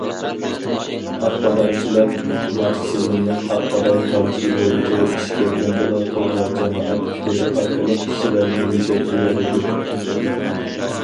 ئاخباراتچىلار ماركسىزملىق ئاخبارات قارىشى بويىچە ئىش كۆرگەندىلا توغرا جامائەت پىكرى ئارقىلىق كىشىلەرنى يېتەكلىيەلەيدۇ.